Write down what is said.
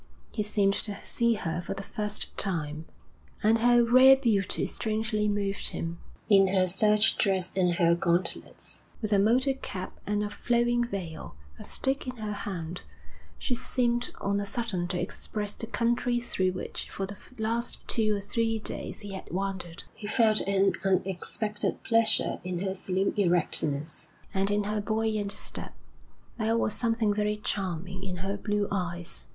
He seemed to see her for the first time, and her rare beauty strangely moved him. In her serge dress and her gauntlets, with a motor cap and a flowing veil, a stick in her hand, she seemed on a sudden to express the country through which for the last two or three days he had wandered. He felt an unexpected pleasure in her slim erectness and in her buoyant step. There was something very charming in her blue eyes.